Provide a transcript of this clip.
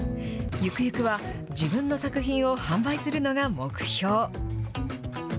ゆくゆくは自分の作品を販売するのが目標。